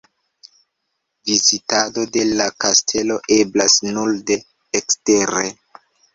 Vizitado de la kastelo eblas nur de ekstere.